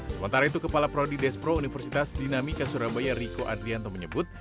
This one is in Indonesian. sementara itu kepala prodi despro universitas dinamika surabaya riko adlianto menyebut